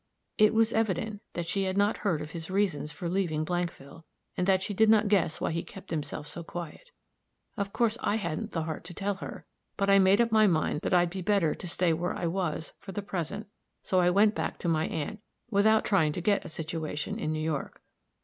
"It was evident that she had not heard of his reasons for leaving Blankville, and that she did not guess why he kept himself so quiet. Of course I hadn't the heart to tell her; but I made up my mind that I'd be better to stay where I was, for the present so I went back to my aunt, without trying to get a situation in New York.